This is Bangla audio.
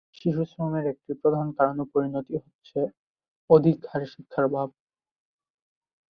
শিশুশ্রমের একটি প্রধান কারণ ও পরিণতি হচ্ছে, অধিক হারে শিক্ষার অভাব।